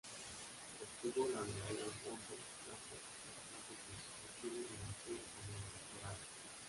Obtuvo la medalla Alfonso Caso tanto por sus estudios de Maestría como de Doctorado.